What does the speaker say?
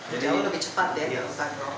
jadi lebih cepat ya